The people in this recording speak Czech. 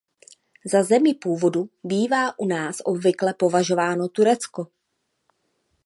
Za zemi původu bývá u nás obvykle považováno Turecko.